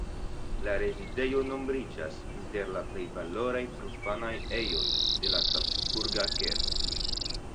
La rezidejo nombriĝas inter la plej valoraj profanaj ejoj de la salcburga kerno.